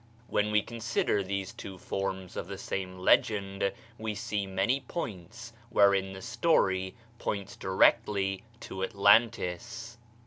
When we consider these two forms of the same legend, we see many points wherein the story points directly to Atlantis.